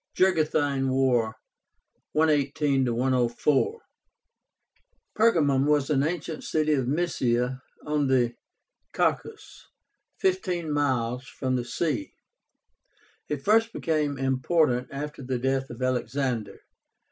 JUGURTHINE WAR (118 104). Pergamum was an ancient city of Mysia on the Caícus, fifteen miles from the sea. It first became important after the death of Alexander.